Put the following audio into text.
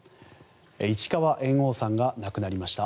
市川猿翁さんが亡くなりました。